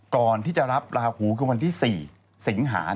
ก่อนที่จะรับลาหูคือวันที่๔สิงหา